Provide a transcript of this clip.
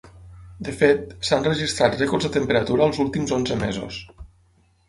De fet, s’han registrat rècords de temperatura els últims onze mesos.